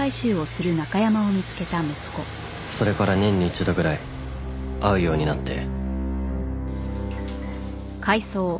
それから年に１度ぐらい会うようになって。